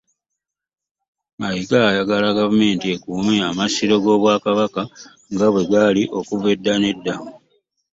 Mayiga ayagala gavumenti ekuume amasiro g'obwakabaka nga bwe gwali okuva edda n'edda.